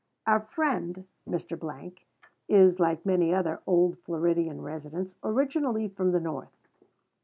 Our friend Mr. is, like many other old Floridian residents, originally from the North.